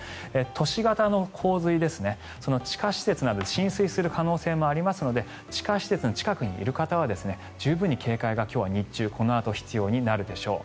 都市型の洪水、地下施設など浸水する可能性もありますので地下施設の近くにいる方は十分に警戒が日中このあと必要になるでしょう。